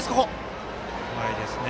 うまいですね。